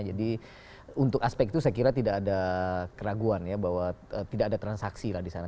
jadi untuk aspek itu saya kira tidak ada keraguan ya bahwa tidak ada transaksi lah di sana